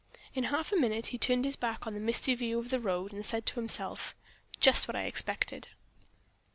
In half a minute he turned his back on the misty view of the road, and said to himself: "Just what I expected."